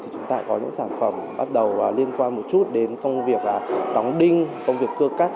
chúng ta có những sản phẩm bắt đầu liên quan một chút đến công việc đóng đinh công việc cơ cắt